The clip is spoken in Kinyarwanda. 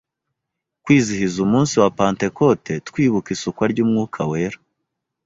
Kwizihiza umunsi wa pantekote, twibuka isukwa ry’Umwuka wera,